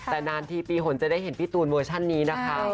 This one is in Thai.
แต่นานทีปีหนจะได้เห็นพี่ตูนเวอร์ชันนี้นะคะ